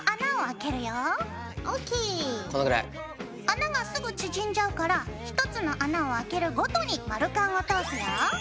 穴がすぐ縮んじゃうから１つの穴をあけるごとに丸カンを通すよ。